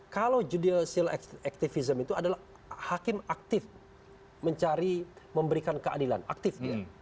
kalau judicial activism itu adalah hakim aktif mencari memberikan keadilan aktif dia